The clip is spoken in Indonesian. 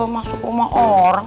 masuk rumah orang